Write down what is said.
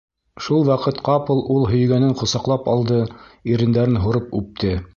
Шул ваҡыт ҡапыл ул һөйгәнен ҡосаҡлап алды, ирендәрен һурып үпте.